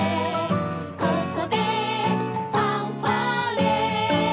「ここでファンファーレ」